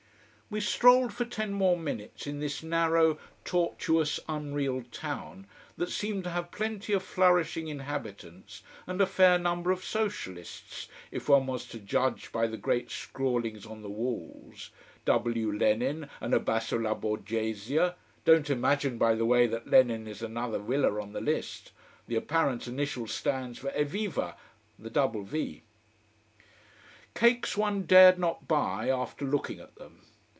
We strolled for ten more minutes in this narrow, tortuous, unreal town, that seemed to have plenty of flourishing inhabitants, and a fair number of Socialists, if one was to judge by the great scrawlings on the walls: W. LENIN and ABASSO LA BORGHESIA. Don't imagine, by the way, that Lenin is another Wille on the list. The apparent initial stands for Evviva, the double V. Cakes one dared not buy, after looking at them.